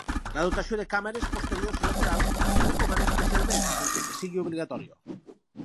La dotació de càmeres posteriors i laterals es recomana especialment, sense que sigui obligatòria.